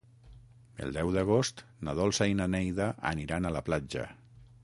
El deu d'agost na Dolça i na Neida aniran a la platja.